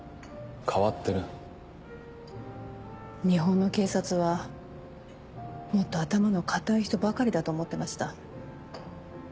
日本の警察はもっと頭の堅い人ばかりだと思ってました。